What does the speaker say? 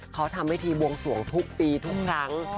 เขาทำวิธีบวงสวงทุกปีทุกครั้ง